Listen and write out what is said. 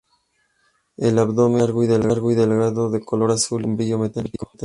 El abdomen es largo y delgado, de color azul o verde con brillo metálico.